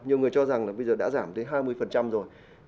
nhiều người cho rằng là bây giờ đã giảm tới hai mươi rồi